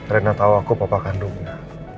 rena tau aku bapak kandungnya